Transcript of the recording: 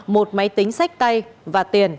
một máy tính sách tay và tiền